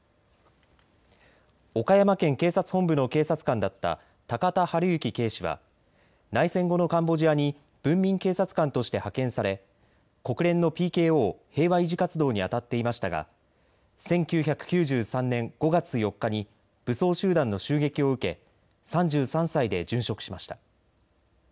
岡山県警察本部の警察官だった高田晴行警視は内戦後のカンボジアに文民警察官として派遣され国連のＰＫＯ・平和維持活動にあたっていましたが１９９３年５月４日に武装集団の襲撃を受け３３歳で殉職しました。